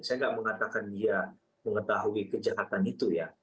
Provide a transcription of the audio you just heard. saya nggak mengatakan dia mengetahui kejahatan itu ya